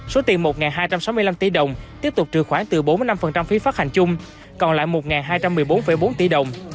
số tiền một hai trăm sáu mươi năm tỷ đồng tiếp tục trừ khoảng từ bốn mươi năm phí phát hành chung còn lại một hai trăm một mươi bốn bốn tỷ đồng